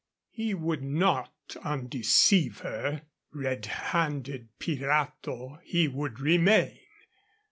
_ He would not undeceive her. Red handed pirato he would remain.